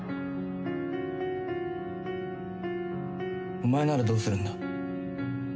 お前ならどうするんだ？